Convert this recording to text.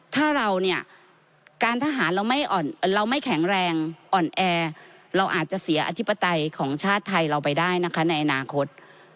ถ้าเราเนี่ยการทหารเราไม่แข็งแรงอ่อนแอเราอาจจะเสียอธิปไตยของชาติไทยเราไปได้นะคะในอนาคต